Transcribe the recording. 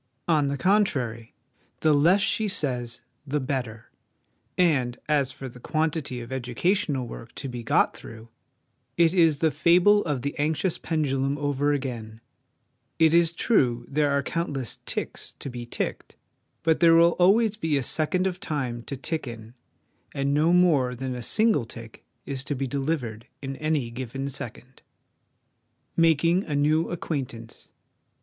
On the contrary, the less she says the better ; and as for the quantity of educa tional work to be got through, it is the fable of the anxious pendulum over again : it is true there are countless 'ticks' to be ticked, but there will always be a second of time to tick in, and no more than a single tick is to be delivered in any given second. Making a New Acquaintance.